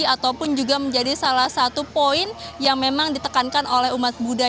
ataupun juga menjadi salah satu poin yang memang ditekankan oleh umat buddha